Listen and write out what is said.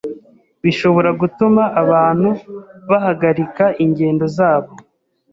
Bishobora gutuma abantu bahagarika ingendo zabo